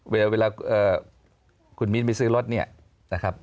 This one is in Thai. เวลาคุณมิ้นไปซื้อรถเนี่ยนะครับ